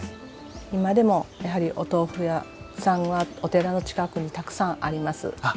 今でもやはりお豆腐屋さんはお寺の近くにたくさんあります。